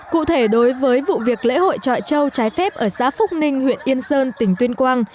cụ thể đối với vụ việc lễ hội trọi châu trái phép ở xã phúc ninh huyện yên sơn tỉnh tuyên quang